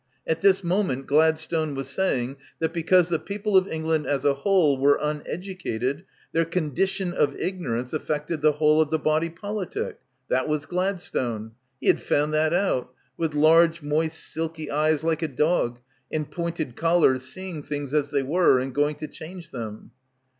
At this mo ment Gladstone was saying that because the peo ple of England as a whole were uneducated their "condition of ignorance" affected the whole of the "body politic." That was Gladstone. He had found that out ... with large moist silky eyes like a dog and pointed collars seeing things as they were and going to change them.